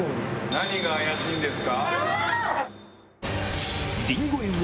何が怪しいんですか？